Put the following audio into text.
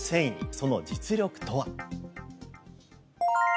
その実力とは。